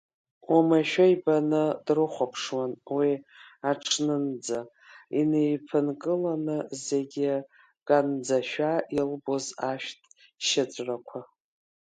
Уамашәа ибаны дрыхәаԥшуан уи аҽнынӡа, инеиԥынкыланы зегьы канӡашәа илбоз ашәҭ шьыҵәрақәа.